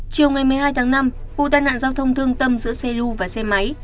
chiều ngày một mươi hai tháng năm vụ tai nạn giao thông thương tâm giữa xe lưu và xe máy